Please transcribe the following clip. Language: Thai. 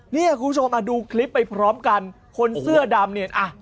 เนี่ยคุณผู้ชมอ่ะดูคลิปไปพร้อมกันคนเสื้อดำเนี่ยอ่ะ